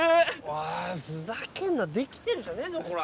おいふざけんなできてるじゃねえぞこら